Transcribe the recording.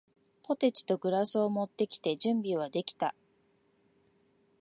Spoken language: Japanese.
ポテチとグラスを持ってきて、準備はできた。